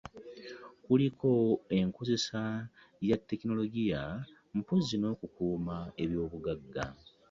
Kuliko enkozesa ya tekinologiya mpozzi n'okukuuma eby'obugagga